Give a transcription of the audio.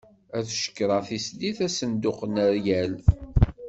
Ad cekkreɣ tislit asenduq n ryal.